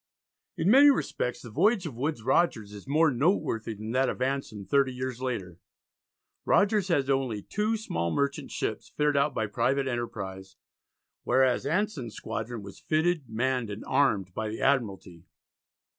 In many respects the voyage of Woodes Rogers is more noteworthy than that of Anson thirty years later. Rogers had only two small merchant ships fitted out by private enterprise, whereas Anson's squadron was fitted, manned, and armed, by the Admiralty.